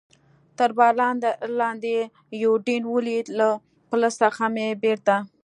تر باران لاندې یوډین ولید، له پله څخه مې بېرته.